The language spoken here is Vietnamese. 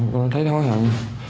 con thấy hối hận